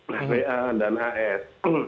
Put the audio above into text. raa dan as